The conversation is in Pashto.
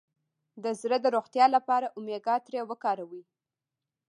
د زړه د روغتیا لپاره اومیګا تري وکاروئ